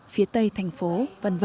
phía tây thành phố v v